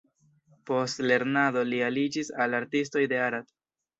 Post lernado li aliĝis al artistoj de Arad.